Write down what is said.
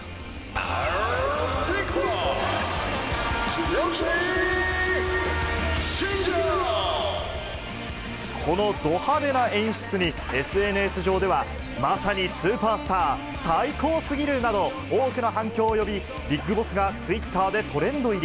ＢＩＧＢＯＳＳ、このド派手な演出に、ＳＮＳ上では、まさにスーパースター、最高すぎるなど、多くの反響を呼び、ＢＩＧＢＯＳＳがツイッターでトレンド入り。